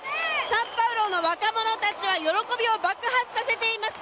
サンパウロの若者たちは喜びを爆発させています。